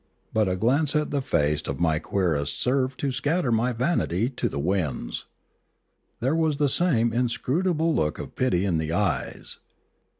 But a glance at the face of my querist served to scatter my vanity to the winds. There was the same inscrutable look of pity in the eyes.